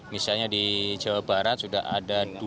misalnya di jawa barat sudah ada